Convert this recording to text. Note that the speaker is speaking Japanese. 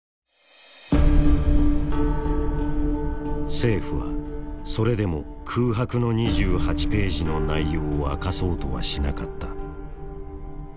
政府はそれでも「空白の２８ページ」の内容を明かそうとはしなかった。